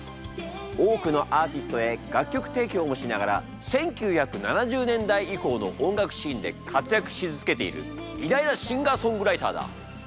多くのアーティストへ楽曲提供もしながら１９７０年代以降の音楽シーンで活躍し続けている偉大なシンガーソングライターだ！